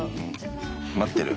待ってる。